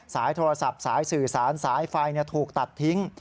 สายโทรศัพท์สายสื่อสารสายไฟถูกตัดทิ้ง